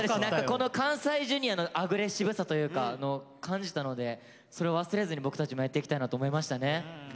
この関西Ｊｒ．のアグレッシブさというか感じたのでそれを忘れずに僕たちもやっていきたいなと思いましたね。